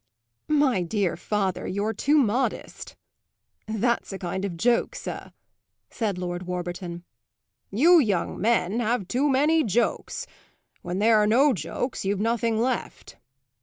"My dear father, you're too modest!" "That's a kind of joke, sir," said Lord Warburton. "You young men have too many jokes. When there are no jokes you've nothing left."